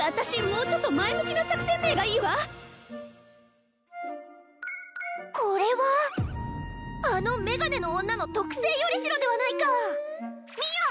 もうちょっと前向きな作戦名がいいわこれはあのメガネの女の特製よりしろではないか見よ！